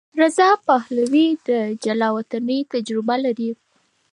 رضا پهلوي د جلاوطنۍ تجربه لري.